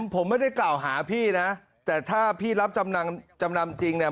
ผมไม่ได้กล่าวหาพี่นะแต่ถ้าพี่รับจำนำจำนำจริงเนี่ย